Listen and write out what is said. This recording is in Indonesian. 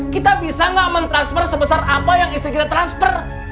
kita bisa nggak mentransfer sebesar apa yang istri kita transfer